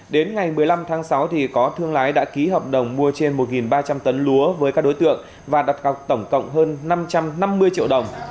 đến ngày một mươi năm tháng sáu có thương lái đã ký hợp đồng mua trên một ba trăm linh tấn lúa với các đối tượng và đặt gọc tổng cộng hơn năm trăm năm mươi triệu đồng